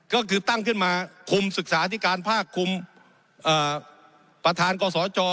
ก็คือตั้งขึ้นมาคุมศึกษาที่การภาคคุมประธานกศจ